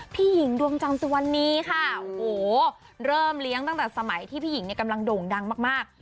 พี่หญิงดวงจันทร์สุวรรณีค่ะโอ้โหเริ่มเลี้ยงตั้งแต่สมัยที่พี่หญิงเนี่ยกำลังโด่งดังมาก